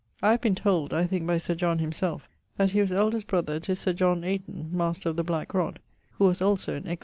I have been told (I think by Sir John himself) that he was eldest brother to Sir John Ayton, Master of the Black Rod, who was also an excellent scholar.